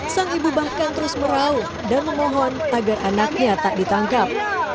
sang ibu bahkan terus merauh dan memohon agar anaknya tak ditangkap